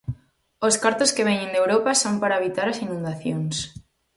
Os cartos que veñen de Europa son para evitar as inundacións.